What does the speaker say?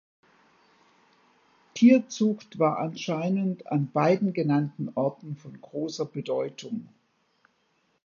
Tierzucht war anscheinend an beiden genannten Orten von großer Bedeutung.